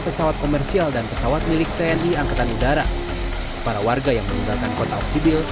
pesawat komersial dan pesawat milik tni angkatan udara para warga yang meninggalkan kota oksibil